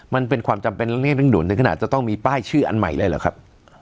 มันเป็นความจำเป็นเรื่องเร่งด่วนถึงขนาดจะต้องมีป้ายชื่ออันใหม่เลยเหรอครับ